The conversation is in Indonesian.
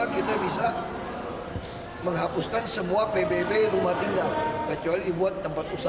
kita akan bebas